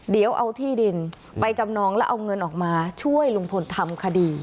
เดี๋ยวเอาที่ดินไปจำนองแล้วเอาเงินออกมาช่วยลุงพลทำคดี